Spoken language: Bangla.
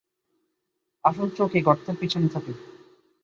আসল চোখ এই গর্তের পিছন দিকে থাকে।